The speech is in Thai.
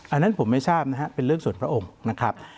อันนั้นผมไม่ทราบนะฮะเป็นเรื่องส่วนพระองค์นะครับ